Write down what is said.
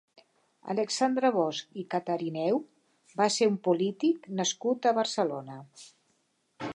Alexandre Bosch i Catarineu va ser un polític nascut a Barcelona.